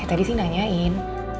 ya tadi sih nanyain